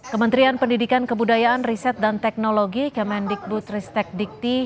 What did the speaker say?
kementerian pendidikan kebudayaan riset dan teknologi kemendikbud ristek dikti